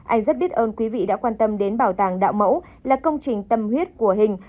anh rất biết ơn quý vị đã quan tâm đến bảo tàng đạo mẫu là công trình tâm huyết của hình